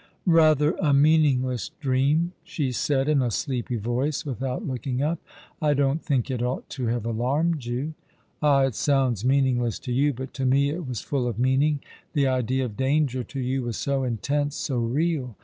" Eather a meaningless dream," she said, in a sleepy voice, without looking up. *'I don't think it ought to have alarmed you." " Ah, it sounds meaningless to you ; but to me it was full of meaning ! The idea of danger to you was so intense — so real.